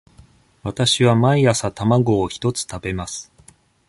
わたしは毎朝卵を一つ食べます。